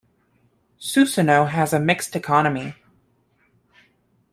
Susono has a mixed economy.